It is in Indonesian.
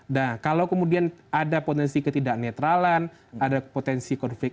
nah kalau kemudian ada potensi ketidak netralan ada potensi konflik